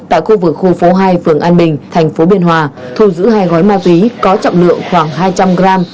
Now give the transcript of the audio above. tại khu vực khu phố hai phường an bình tp biên hòa thù giữ hai gói ma túy có trọng lượng khoảng hai trăm linh g